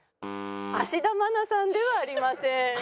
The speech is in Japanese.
芦田愛菜さんではありません。